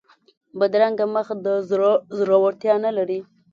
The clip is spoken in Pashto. بدرنګه مخ د زړه زړورتیا نه لري